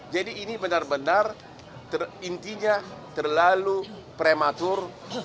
jadi ini benar benar intinya terlalu prematur